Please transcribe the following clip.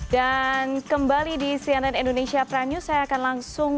dan kembali di cnn indonesia pranyu saya akan langsung